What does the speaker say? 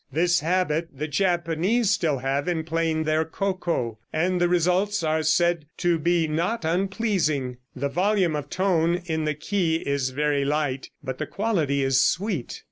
This habit the Japanese still have in playing their ko ko, and the results are said to be not unpleasing. The volume of tone in the ke is very light, but the quality is sweet.